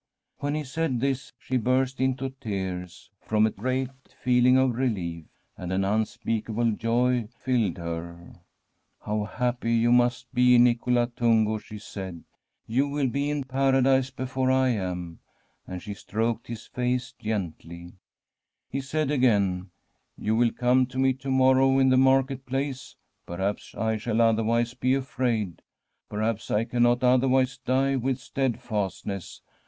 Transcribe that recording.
When he said this she burst into tears, from a freat feeling of relief, and an unspeakable joy lied her. ' How happy you must be, Nicola Tungo !' she said. ' You will be in Paradise before I am ;' and she stroked his face gently. Santa CATERINA 0/ SIENA He said again :' You will come to me to morrow in the Market Place ? Perhaps I shall otherwise be afraid ; per haps I cannot otherwise die with steadfastness.